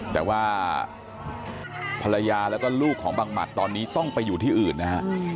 แต่ว่าภรรยาแล้วก็ลูกของบังหมัดตอนนี้ต้องไปอยู่ที่อื่นนะฮะ